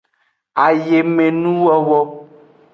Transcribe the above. Ayemenuwowo.